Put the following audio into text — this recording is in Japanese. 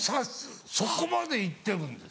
そこまで言ってるんです。